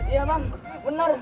iya bang bener